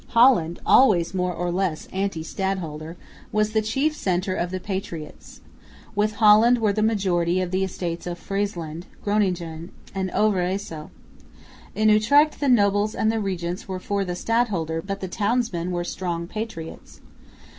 Holland, always more or less anti stadholder, was the chief centre of the patriots. With Holland were the majority of the Estates of Friesland, Groningen and Overyssel. In Utrecht the nobles and the regents were for the stadholder, but the townsmen were strong patriots.